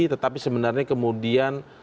tetapi sebenarnya kemudian